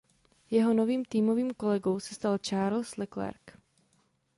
Jeho novým týmovým kolegou se stal Charles Leclerc.